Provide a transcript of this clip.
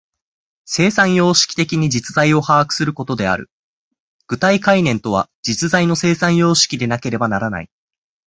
生産様式的に実在を把握することである。具体概念とは、実在の生産様式でなければならない。